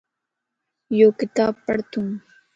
يو ڪتاب پڙتون